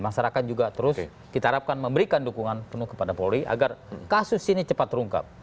masyarakat juga terus kita harapkan memberikan dukungan penuh kepada polri agar kasus ini cepat terungkap